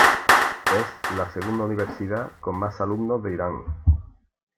Es la segunda universidad con más alumnos de Irán.